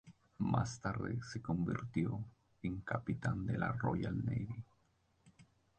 Más tarde se convirtió en capitán de la Royal Navy.